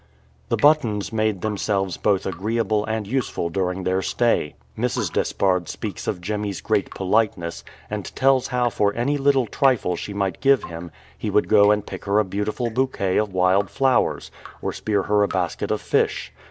The Buttons made themselves both agreeable and useful during their stay. Mrs. Despard speaks of Jemmy's great politeness, and tells how for any little trifle she might give him he would go and pick her a beautiful bouquet of wild flowers, or spear her a basket of fish.